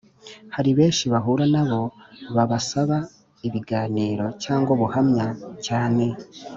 Hari benshi bahura na bo babasaba ibiganiro cyangwa ubuhamya cyane